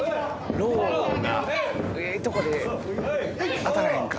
ローがええとこで当たらへんか？